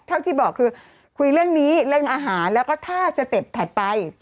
ที่บอกคือคุยเรื่องนี้เรื่องอาหารแล้วก็ถ้าสเต็ปถัดไป